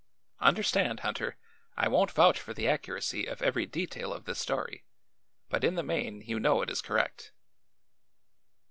Understand, Hunter, I won't vouch for the accuracy of every detail of this story; but in the main you know it is correct."